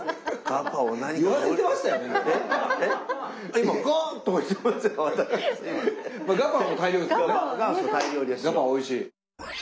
ガパオおいしい。